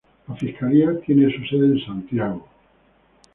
La fiscalía tiene su sede en Santiago.